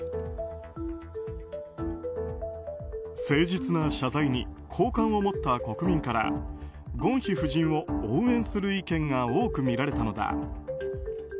誠実な謝罪に好感を持った国民からゴンヒ夫人を応援する意見が多く見られたのだ。